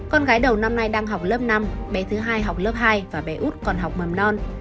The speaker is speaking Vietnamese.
con gái đầu năm nay đang học lớp năm bé thứ hai học lớp hai và bé út còn học mầm non